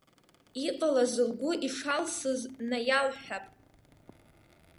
Иҟалаз лгәы ишалсыз наиалҳәап.